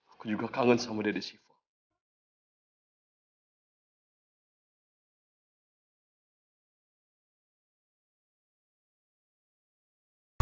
aku juga kangen sama dede siva